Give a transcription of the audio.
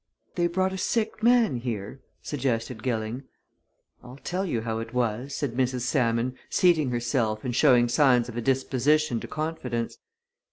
"They brought a sick man here?" suggested Gilling. "I'll tell you how it was," said Mrs. Salmon, seating herself and showing signs of a disposition to confidence.